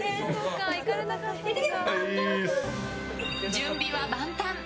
準備は万端！